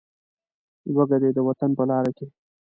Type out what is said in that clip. لوږه دې د وطن په لاره کې.